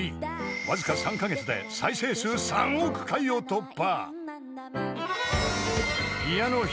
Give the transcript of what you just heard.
［わずか３カ月で再生数３億回を突破］